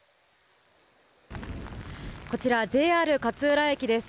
こちら、ＪＲ勝浦駅です。